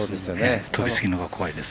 飛びすぎるのが怖いです。